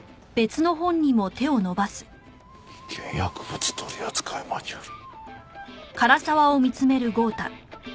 『危険薬物取扱マニュアル』。